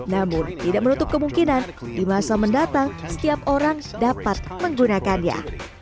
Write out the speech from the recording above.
namun tidak menutup kemungkinan di masa mendatang setiap orang dapat menggunakannya